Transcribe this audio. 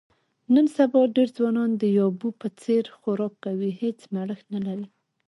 نن سبا ډېری ځوانان د یابو په څیر خوراک کوي، هېڅ مړښت نه لري.